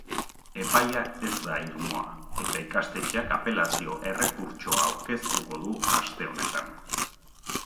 Epaia ez da irmoa, eta ikastetxeak apelazio errekurtsoa aurkeztuko du aste honetan.